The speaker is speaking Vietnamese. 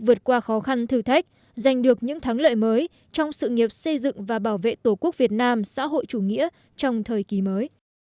vượt qua khó khăn thử thách giành được những thắng lợi mới trong sự nghiệp xây dựng và bảo vệ tổ quốc việt nam xã hội chủ nghĩa trong thời kỳ mới